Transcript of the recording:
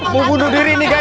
mengundur diri nih guys